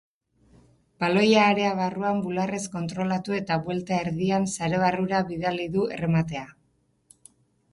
Baloia area barruan bularrez kontrolatu eta buelta erdian sare barrura bidali du errematea.